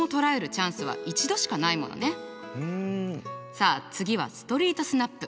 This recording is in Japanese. さあ次はストリートスナップ。